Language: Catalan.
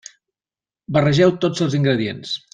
Barregeu tots els ingredients.